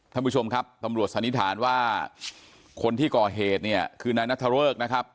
ท่านผู้ชมครับตำรวจสันนิษฐานว่าคนที่ก่อเหตุเนี่ยคือนายนัทเริกนะครับ